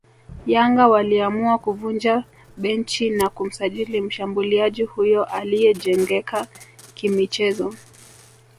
Yanga waliamua kuvunja benchi na kumsajili mshambuliaji huyo aliyejengeka kimichezo